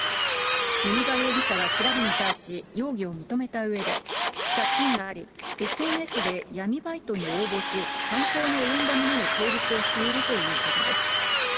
弓場容疑者は調べに対し、容疑を認めたうえで、借金があり、ＳＮＳで闇バイトに応募し、犯行に及んだ旨の供述をしているということです。